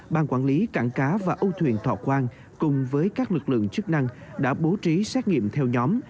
ban quản lý cảng cá và âu thuyền thọ quang cùng với các lực lượng chức năng đã bố trí xét nghiệm theo nhóm